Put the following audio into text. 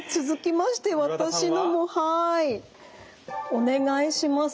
お願いします。